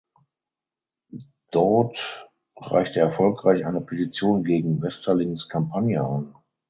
Daud reichte erfolgreich eine Petition gegen Westerlings Kampagne ein.